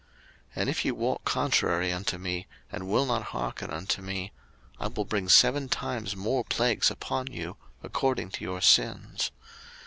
03:026:021 And if ye walk contrary unto me, and will not hearken unto me; I will bring seven times more plagues upon you according to your sins.